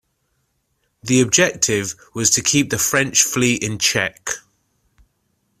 The objective was to keep the French Fleet in check.